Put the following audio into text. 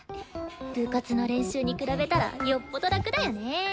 部活の練習に比べたらよっぽど楽だよね。